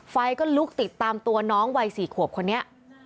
ไฟก็ลุกติดตามตัวน้องวัย๔ขวบคนนี้